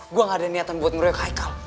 gue gak ada niatan buat ngeroyok haikal